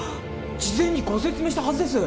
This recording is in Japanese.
事前にご説明したはずです。